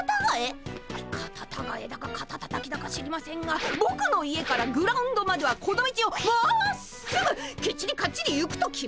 カタタガエだかカタタタキだか知りませんがぼくの家からグラウンドまではこの道をまっすぐきっちりかっちり行くと決まってるんです！